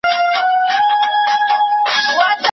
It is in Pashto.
له عمرونو پکښي اوسم لا پردی راته مقام دی